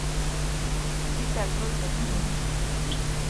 سپي ته ژوند ورکړئ.